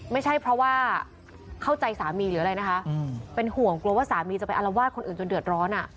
ไม่ใช่เพราะว่าเข้าใจสามีหรืออะไรนะคะเป็นห่วงกลัวว่าสามีจะไปอารวาสคนอื่นจนเดือดร้อน